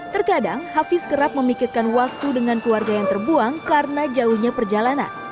terkadang hafiz kerap memikirkan waktu dengan keluarga yang terbuang karena jauhnya perjalanan